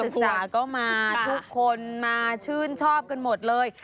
ศึกษาก็มาทุกคนมาชื่นชอบกันหมดเลย